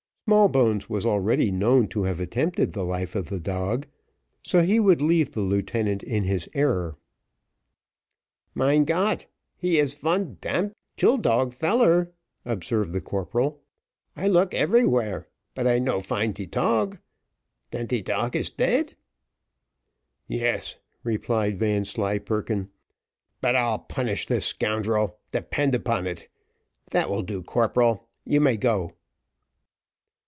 Smallbones was already known to have attempted the life of the dog, so he would leave the lieutenant in his error. "Mein Gott' he is von d d kill dog feller," observed the corporal. "I look everywhere, I no find te tog. Den de dog is dead?" "Yes," replied Vanslyperken, "but I'll punish the scoundrel, depend upon it. That will do, corporal; you may go."